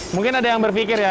mungkin ada yang berpikir ya